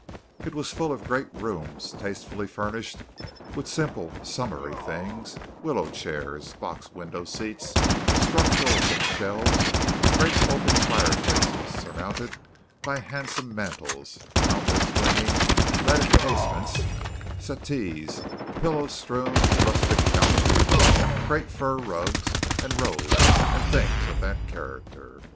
It was full of great rooms tastefully furnished with simple summery things willow chairs, box window seats, structural book shelves, great open fireplaces, surmounted by handsome mantels, outward swinging leaded casements, settees, pillow strewn rustic couches, great fur rugs and robes and things of that character.